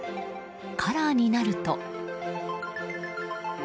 カラーになると。